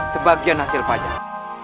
sebagian hasil pajak